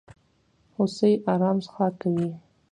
هوسۍ ارام څښاک کوي.